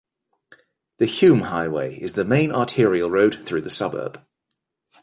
The Hume Highway is the main arterial road through the suburb.